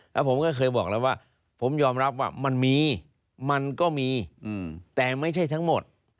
แล้วผมก็เคยบอกแล้วว่าผมยอมรับว่ามันมีมันก็มีแต่ไม่ใช่ทั้งหมด